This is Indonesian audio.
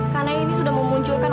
karena ini sudah memunculkan